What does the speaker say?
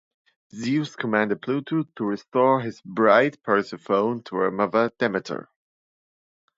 Zeus commanded Pluto to restore his bride Persephone to her mother Demeter.